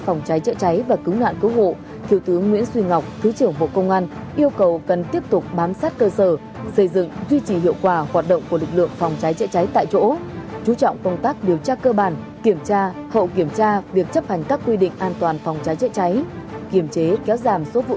công an tỉnh hà tĩnh trung tướng nguyễn văn sơn thứ trưởng bộ công an yêu cầu cần chủ động nắm chắc tình hình nhất là các vấn đề nổi lên liên quan đến an ninh trả tự